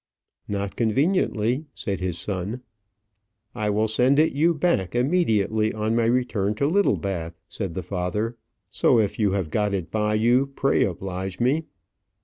"Not conveniently," said his son. "I will send it you back immediately on my return to Littlebath," said the father; "so if you have got it by you, pray oblige me."